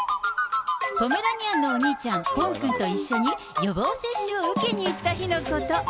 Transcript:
ポメラニアンのお兄ちゃん、ぽんくんと一緒に予防接種を受けに行った日のこと。